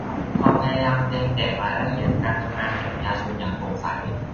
ความพยายามแจงแจกรายละเอียดการทำงานแก่ประชาชนอย่างโปร่งใส